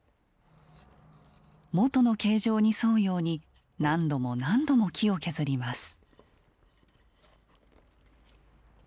元の形状に沿うように何度も何度も木を削ります。